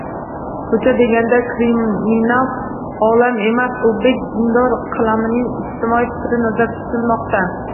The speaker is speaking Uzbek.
“Ko’cha” deganda kriminal olam emas, o’zbek dindor qatlamining ijtimoiy fikri nazarda tutilmoqda.